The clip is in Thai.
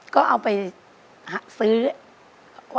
ก็เอาไปซื้อ